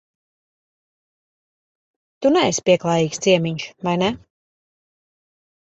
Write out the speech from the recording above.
Tu neesi pieklājīgs ciemiņš, vai ne?